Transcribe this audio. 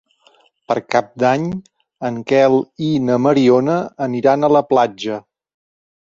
Per Cap d'Any en Quel i na Mariona aniran a la platja.